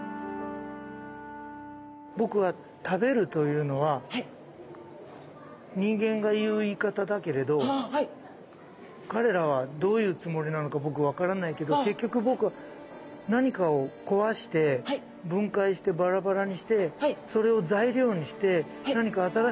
僕は食べるというのは人間が言う言い方だけれど彼らはどういうつもりなのか僕分からないけど結局僕は何かを壊して分解してバラバラにしてそれを材料にして何か新しいものをつくっているんですよね。